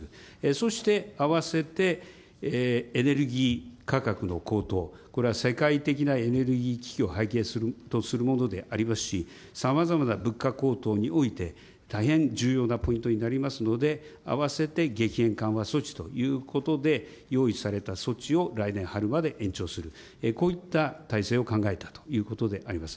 そうして合わせてエネルギー価格の高騰、これは世界的なエネルギー危機を背景にするものでありますし、さまざまな物価高騰において、大変重要なポイントになりますので、併せて激変緩和措置ということで、用意された措置を来年春まで延長する、こういった体制を考えたということであります。